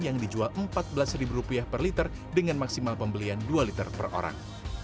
yang dijual rp empat belas per liter dengan maksimal pembelian dua liter per orang